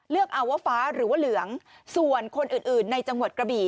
อาเวอร์ฟ้าหรือว่าเหลืองส่วนคนอื่นอื่นในจังหวัดกระบี่